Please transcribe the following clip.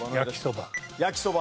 焼きそば。